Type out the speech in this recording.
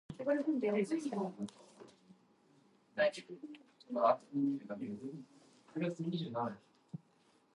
Like most other emeralds, the downy emerald has bright shiny green eyes.